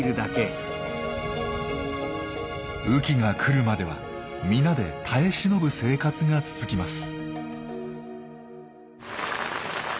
雨季が来るまでは皆で耐え忍ぶ生活が続きます。